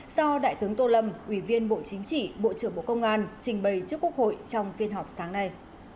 do đại tướng tô lâm ủy viên bộ chính trị bộ trưởng bộ công an trình bày trước quốc hội trong phiên họp sáng nay